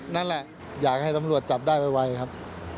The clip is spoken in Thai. นั่นแหละอยากให้ตำรวจจับได้ไวครับ